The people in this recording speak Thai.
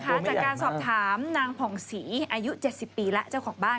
จากการสอบถามนางผ่องศรีอายุ๗๐ปีแล้วเจ้าของบ้าน